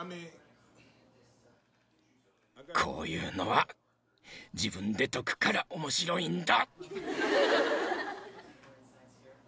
こういうのは自分で解くから面白いんだ。